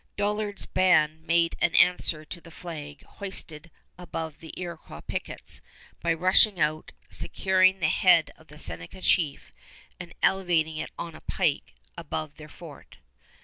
Dollard's band made answer to the flag hoisted above the Iroquois pickets by rushing out, securing the head of the Seneca chief, and elevating it on a pike above their fort.